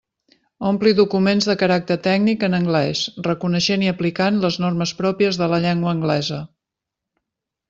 Ompli documents de caràcter tècnic en anglés reconeixent i aplicant les normes pròpies de la llengua anglesa.